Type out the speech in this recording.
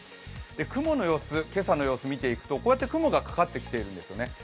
雲の様子、今朝の様子見ていくと、こうやって雲がかかってきているんですよね。